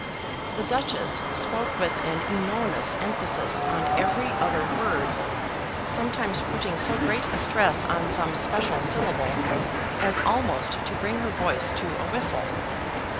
The Duchess spoke with an enormous emphasis on every other word, sometimes putting so great a stress on some special syllable, as almost to bring her voice to a whistle.